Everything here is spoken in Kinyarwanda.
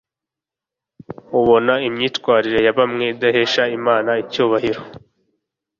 ubona imyitwarire ya bamwe idahesha Imana icyubahiro